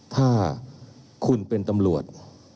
ถ้าคุณเป็นตำรวจ